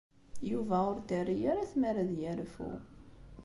Yuba ur t-terri ara tmara ad yerfu.